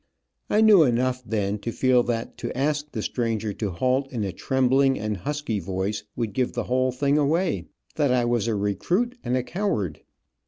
I knew enough, then, to feel that to ask the stranger to halt in a trembling and husky voice would give the whole thing away, that I was a recruit and a coward.